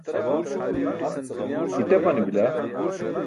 itepane bila